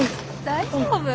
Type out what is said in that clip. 大丈夫？